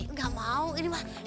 enggak mau ini pak